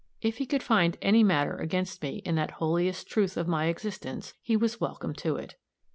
If he could find any matter against me in that holiest truth of my existence, he was welcome to it.